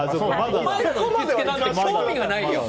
お前らの行きつけなんて興味がないよ！